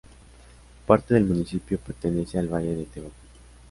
Parte del municipio pertenece al valle de Tehuacán.